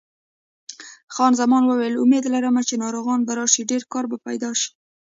خان زمان وویل: امید لرم چې ناروغان به راشي، ډېر کار به پیدا شي.